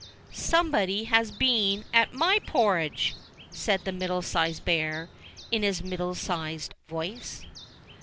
"somebody has been at my porridge!" said the Middle sized Bear in his middle sized voice.